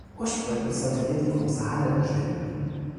Ursprünglich sollte hier die "Große Halle" entstehen.